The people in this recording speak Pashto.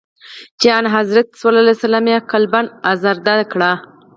چي آنحضرت ص یې قلباً آزرده کړ.